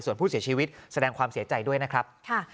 ส่วนผู้เสียชีวิตแสดงความเสียใจด้วยนะครับ